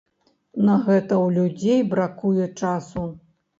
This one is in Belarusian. На гэта ў людзей бракуе часу.